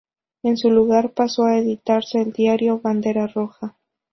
En su lugar pasó a editarse el diario "Bandera Roja".